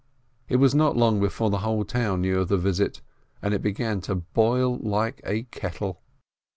It was not long before the whole town knew of the visit, and it began to boil like a kettle.